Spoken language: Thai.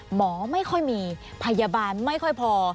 หมอไม่ค่อยมีพยาบาลไม่ค่อยพอ